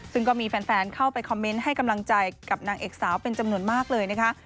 ซึ่งก็มีแฟนเข้าไปคอมเมนต์ให้กำลังใจกับนางเอกสาวเป็นจำนวนมากเลยนะคะ